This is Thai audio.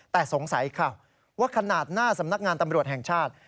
แต่สงสัยค่ะว่าขนาดหน้าสำนักงานตำรวจแห่งชาติ